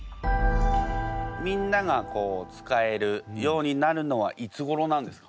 みんなが使えるようになるのはいつごろなんですか？